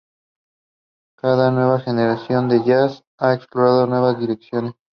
Cada nueva generación del "jazz" ha explorado nuevas direcciones.